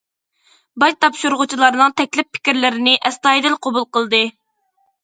باج تاپشۇرغۇچىلارنىڭ تەكلىپ، پىكىرلىرىنى ئەستايىدىل قوبۇل قىلدى.